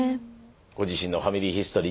ご自身の「ファミリーヒストリー」